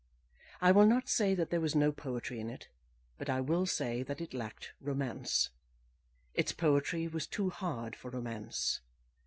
I will not say that there was no poetry in it, but I will say that it lacked romance. Its poetry was too hard for romance.